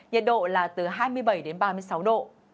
nhiệt độ là từ hai mươi bảy đến ba mươi sáu độ